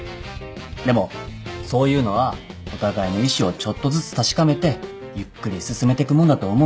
でもそういうのはお互いの意思をちょっとずつ確かめてゆっくり進めてくもんだと思うし。